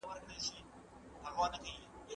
هغه هلته له لویو سني علماوو سره وکتل.